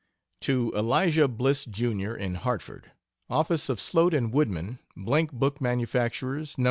To Elisha Bliss, Jr., in Hartford: Office of SLOTE & WOODMAN, Blank Book Manufacturers, Nos.